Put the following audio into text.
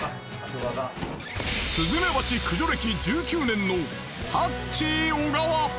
スズメバチ駆除歴１９年のハッチー小川。